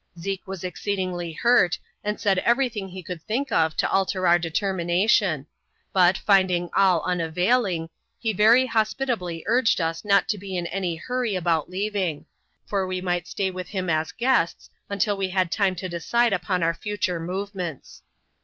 Zeke was exceedingly hurt, and said every thing he could think of to alter our determination ; but, finding all unavailing, he very hospitably urged us not to be in any hurry about leaving ; for we might stay with ihim as guests until we had time to decide upon our, future movements.